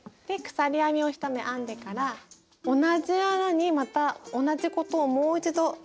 鎖編みを１目編んでから同じ穴にまた同じことをもう一度するんですが。